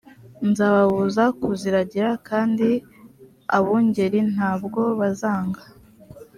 nzababuza kuziragira kandi abungeri ntabwo bazanga